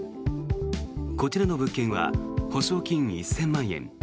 こちらの物件は保証金１０００万円。